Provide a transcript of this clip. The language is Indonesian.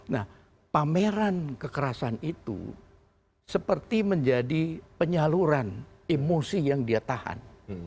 nah pameran kekerasan itu seperti menjadi penyaluran emosi yang dia tahan